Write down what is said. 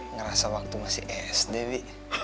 ngerasa waktu masih sd wi